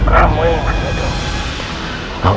ramai yang menegangku